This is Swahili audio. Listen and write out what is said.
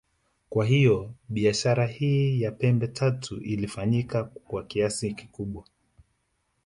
Kwa hiyo biashara hii ya pembe tatu ilifanyika kwa kiasi kikubwa